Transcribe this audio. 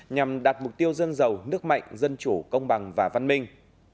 nhằm đạt mục tiêu dân giàu nước mạnh dân chủ công bằng và văn minh